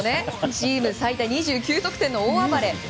チーム最多２９得点の大暴れ。